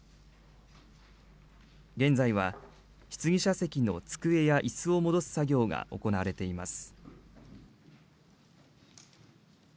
現在は、質疑者席の机やいすを戻す作業が行われています。